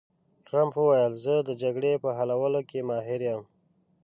ټرمپ وویل، زه د جګړو په حلولو کې ماهر یم.